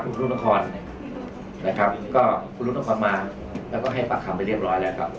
คุณรุ่งนครนะครับก็คุณรุ่งนครมาแล้วก็ให้ปรับคำไปเรียบร้อยแล้วครับ